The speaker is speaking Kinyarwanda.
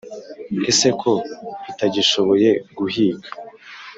Ese ko itagishoboye guhiga.